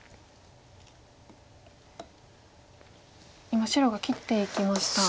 今白が切っていきました。